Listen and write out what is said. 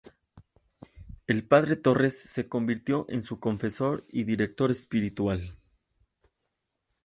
El padre Torres se convirtió en su confesor y director espiritual.